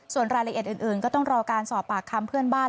ส่วนรายละเอียดอื่นก็ต้องรอการสอบปากคำเพื่อนบ้าน